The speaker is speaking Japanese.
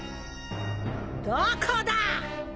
どこだ！